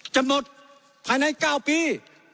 จะหมดภายใน๙ปี